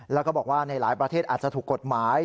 แล้วก็บอกว่าในหลายประเทศอาจจะถูกกฎหมาย